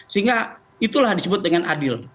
sehingga itulah disebut dengan adil